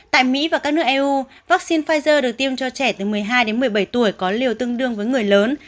tại mỹ và các nước eu vắc xin pfizer được tiêm cho trẻ từ một mươi hai một mươi bảy tuổi có liều tương đương với người lớn